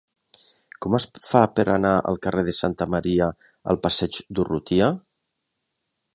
Com es fa per anar del carrer de Sant Marià al passeig d'Urrutia?